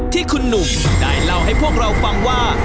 ที่คุณหนุ่มได้เล่าให้พวกเราฟังว่า